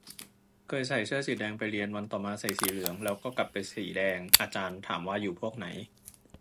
เคยใส่เสื้อสีแดงไปเรียน วันต่อมาใส่สีเหลือง แล้วก็กลับไปสีแดง อาจารย์ถามว่าอยู่พวกไหน